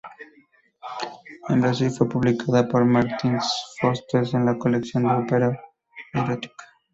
En Brasil fue publicada por Martins Fontes en la colección Opera Erotica.